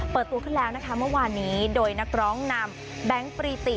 เปิดตัวขึ้นแล้วนะคะเมื่อวานนี้โดยนักร้องนำแบงค์ปรีติ